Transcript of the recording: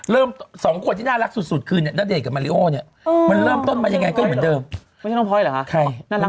เริ่มสองคนน่ารักสุดไม่แล้วเดินไว้เข้าไปต้องทำอะไรต้องรับ